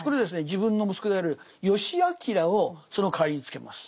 自分の息子である義詮をその代わりにつけます。